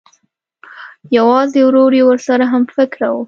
یوازې ورور یې ورسره همفکره و